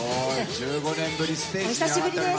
１５年ぶりステージお久しぶりです。